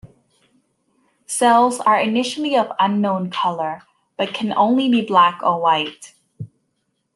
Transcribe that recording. Cells are initially of unknown color, but can only be black or white.